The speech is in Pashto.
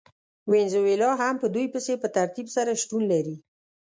وینزویلا هم په دوی پسې په ترتیب سره شتون لري.